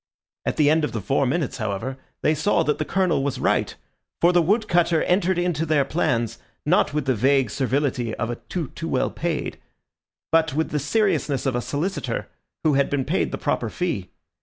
At the end of the four minutes, however, they saw that the Colonel was right, for the wood cutter entered into their plans, not with the vague servility of a tout too well paid, but with the seriousness of a solicitor who had been paid the proper fee.